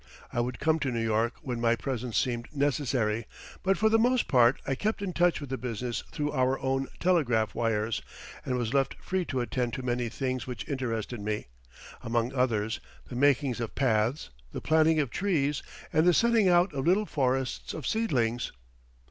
I would come to New York when my presence seemed necessary, but for the most part I kept in touch with the business through our own telegraph wires, and was left free to attend to many things which interested me among others, the making of paths, the planting of trees, and the setting out of little forests of seedlings.